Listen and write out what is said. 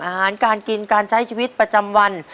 อาหารการกินการใช้ชีวิตประจำวัน